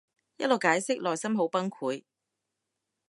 一路解釋內心好崩潰